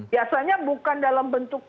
biasanya bukan dalam bentuk